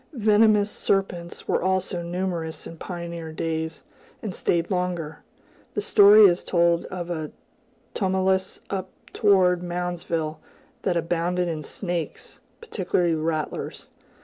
Venomous serpents were also numerous in pioneer days, and stayed longer. The story is told of a tumulus up toward Moundsville, that abounded in snakes, particularly rattlers.